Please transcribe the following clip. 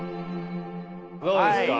どうですか？